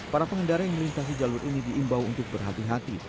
para pengendara yang melintasi jalur ini diimbau untuk berhati hati